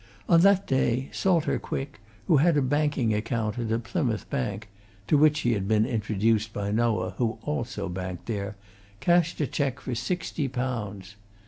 On that date, Salter Quick, who had a banking account at a Plymouth bank (to which he had been introduced by Noah, who also banked there), cashed a check for sixty pounds.